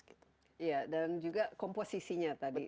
iya dan juga komposisinya tadi